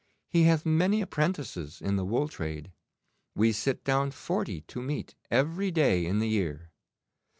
He hath many apprentices in the wool trade. We sit down forty to meat every day in the year.